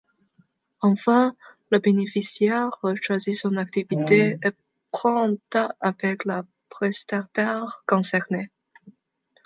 Enfin le bénéficiaire choisit son activité et prend date avec le prestataire concerné.